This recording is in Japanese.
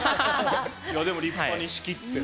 でも立派に仕切って。